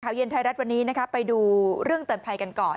ข่าวเย็นไทรรัฐวันนี้ไปดูเรื่องตัดภัยกันก่อน